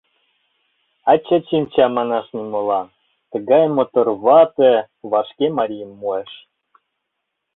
А Чачим чаманаш нимолан: тыгай мотор вате вашке марийым муэш.